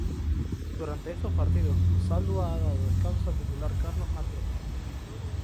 Durante estos partidos Zaldúa ha dado descanso al titular Carlos Martínez.